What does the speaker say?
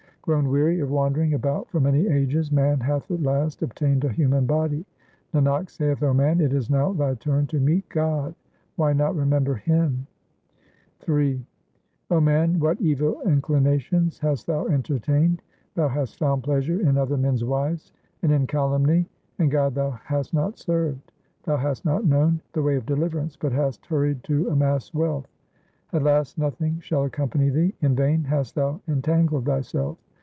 Grown weary of wandering about for many ages, man hath at last obtained a human body : Nanak saith, O man, it is now thy turn to meet God ; why not remember Him ? Ill O man, what evil inclinations hast thou entertained ? Thou hast found pleasure in other men's wives and in calumny, and God thou hast not served ; Thou hast not known the way of deliverance, but hast hurried to amass wealth. 1 By pilgrimage is here meant the society of saints. HYMNS OF GURU TEG BAHADUR 399 At last nothing shall accompany thee ; in vain hast thou entangled thyself.